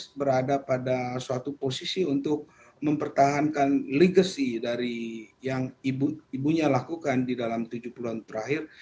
saya berada pada suatu posisi untuk mempertahankan legacy dari yang ibunya lakukan di dalam tujuh puluh tahun terakhir